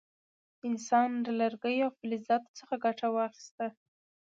انسان له لرګیو او فلزاتو څخه ګټه واخیسته.